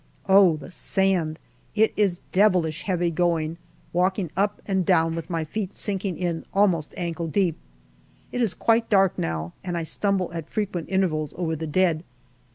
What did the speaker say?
Oh ! the sand. It is devilish heavy going, walking up and down with my feet sinking in almost ankle deep. It is quite dark now, and I stumble at frequent intervals over the dead.